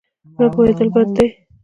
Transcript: نه پوهېدل بد دی.